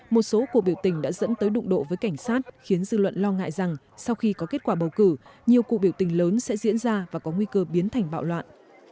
một số cuộc biểu tình đã dẫn tới đụng độ với cảnh sát khiến dư luận lo ngại rằng sau khi có kết quả bầu cử nhiều cuộc biểu tình lớn sẽ diễn ra và có nguy cơ biến thành bạo loạn